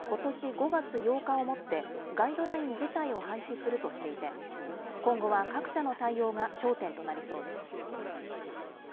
５月８日をもって、ガイドライン自体を廃止するとしていて、今後は各社の対応が焦点となりそうです。